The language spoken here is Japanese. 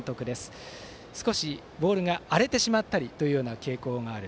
坂部君は少しボールが荒れてしまったりというような傾向がある。